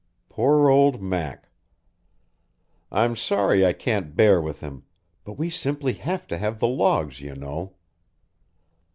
Poor old Mac! I'm sorry I can't bear with him, but we simply have to have the logs, you know."